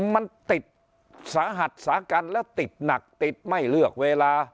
มันติดสาหัสสากันแล้วติดหนักติดไม่เลือกเวลา